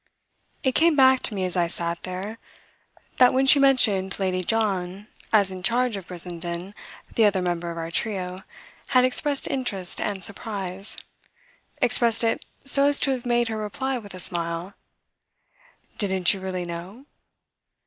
It came back to me as I sat there that when she mentioned Lady John as in charge of Brissenden the other member of our trio had expressed interest and surprise expressed it so as to have made her reply with a smile: "Didn't you really know?"